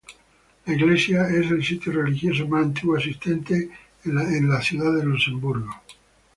La iglesia es el sitio religioso más antiguo existente en Ciudad de Luxemburgo.